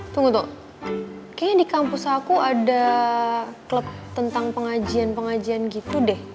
tunggu tuh kayaknya di kampus aku ada klub tentang pengajian pengajian gitu deh